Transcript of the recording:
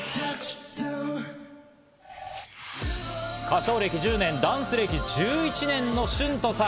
歌唱歴１０年、ダンス歴１１年のシュントさん。